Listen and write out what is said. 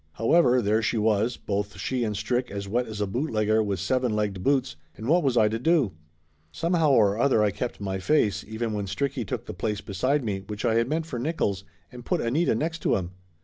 However, there she was, both she and Strick as wet as a bootlegger with seven legged boots, and what was I to do ? Somehow or other I kept my face, even when Stricky took the place beside me which I had meant for Nickolls, and put Anita next to him.